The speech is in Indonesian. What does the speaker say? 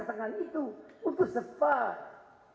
setengah itu untuk sepak